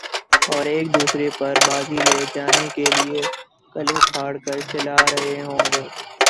اور ایک دوسرے پر بازی لے جانے کیلئے گلے پھاڑ کر چلا رہے ہوں گے